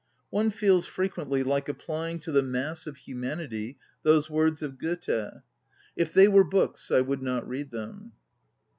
One feels frequently like appljdng to the mass of humanity those words of Goethe: "If they 14 ON READING were books, I would not read them."